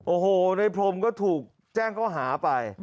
โอ้โหในพรมก็ถูกแจ้งเขาหาไป